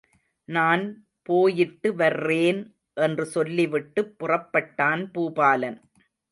நான் போயிட்டுவர்றேன்″என்று சொல்லி விட்டுப் புறப்பட்டான் பூபாலன்.